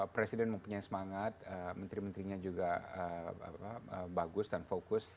presiden mempunyai semangat menteri menterinya juga bagus dan fokus